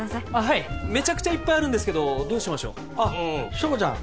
はいめちゃくちゃいっぱいあるんですけどどうしましょう硝子ちゃん